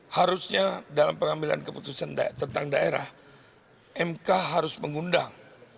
harusnya dalam pengambilan keputusan tentang daerah mk harus mengundang